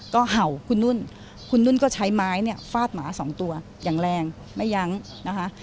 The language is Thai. ก็เห่าคุณนุ่นคุณนุ่นก็ใช้ไม้เนี่ยฟาดหมาสองตัวอย่างแรงไม่ยั้งนะคะ